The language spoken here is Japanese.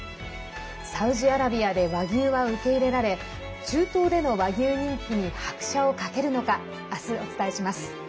サウジアラビアで和牛は受け入れられ中東での和牛人気に拍車をかけるのか明日、お伝えします。